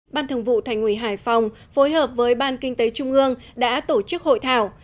ban thường vụ thành ủy hải phòng phối hợp với ban kinh tế trung ương đã tổ chức hội thảo